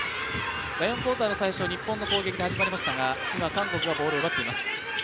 第４クオーターの最初、日本の攻撃に始まりましたが、韓国がボールを奪っています。